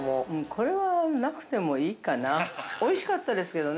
これは、なくてもいいかなおいしかったですけどね。